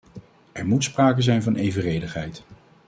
Er moet sprake zijn van evenredigheid.